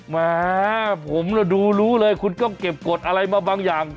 แหมผมดูรู้เลยคุณต้องเก็บกฎอะไรมาบางอย่าง